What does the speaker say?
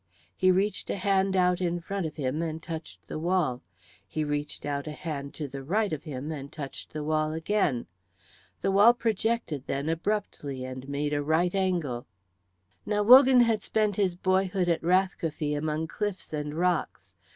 He reached a hand out in front of him and touched the wall; he reached out a hand to the right of him and touched the wall again. The wall projected then abruptly and made a right angle. Now Wogan had spent his boyhood at Rathcoffey among cliffs and rocks.